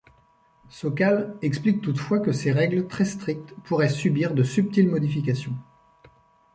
Sokal explique toutefois que ces règles très strictes pourraient subir de subtiles modifications.